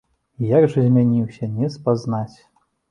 А як жа змяніўся, не спазнаць!